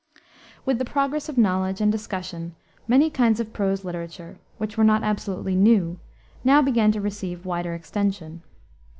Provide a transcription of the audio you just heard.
With the progress of knowledge and discussion many kinds of prose literature, which were not absolutely new, now began to receive wider extension.